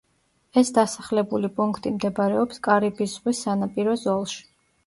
ეს დასახლებული პუნქტი მდებარეობს კარიბის ზღვის სანაპირო ზოლში.